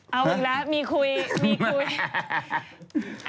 เอาอีกแล้วมีคุย